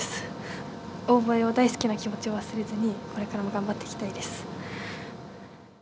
オーボエを大好きな気持ちを忘れずにこれからも頑張っていきたいです。